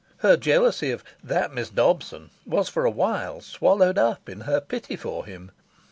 Her jealousy of "that Miss Dobson" was for a while swallowed up in her pity for him.